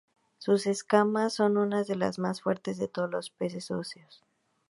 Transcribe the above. Sus escamas son unas de las más fuertes de todos los peces óseos.